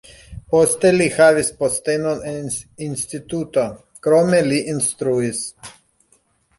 Poste li havis postenon en instituto, krome li instruis.